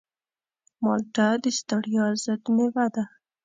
مالټه د ستړیا ضد مېوه ده.